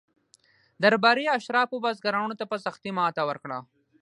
درباري اشرافو بزګرانو ته په سختۍ ماته ورکړه.